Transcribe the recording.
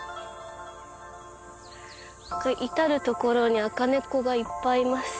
至る所に赤猫がいっぱいいます。